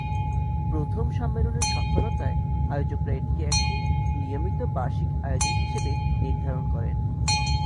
প্রথম সম্মেলনের সফলতায় আয়োজকরা এটিকে একটি নিয়মিত বার্ষিক আয়োজন হিসেবে নির্ধারণ করেন।